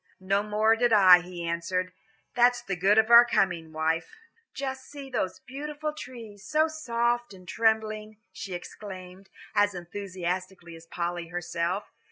"No more did I," he answered. "That's the good of our coming, wife." "Just see those beautiful green trees, so soft and trembling," she exclaimed, as enthusiastically as Polly herself.